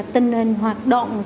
tình hình hoạt động